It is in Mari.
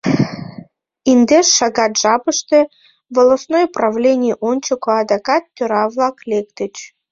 Индеш шагат жапыште волостной правлений ончыко адакат тӧра-влак лектыч.